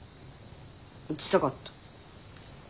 打ちたかった。